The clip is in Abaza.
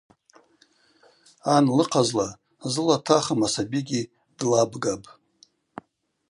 Ан лыхъазла зыла тахым асабигьи длабгапӏ.